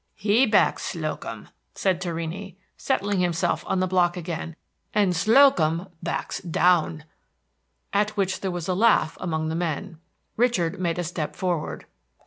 "He backs Slocum," said Torrini, settling himself on the block again, "and Slocum backs down," at which there was a laugh among the men. Richard made a step forward.